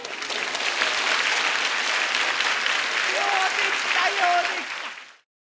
ようできたようできた。